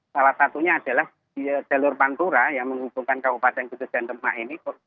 salah satunya adalah di jalur pantura yang menghubungkan kabupaten kudus dan demak ini